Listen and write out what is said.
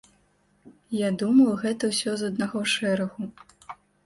Я думаю, гэта ўсё з аднаго шэрагу.